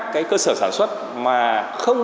cái cơ sở sản xuất mà không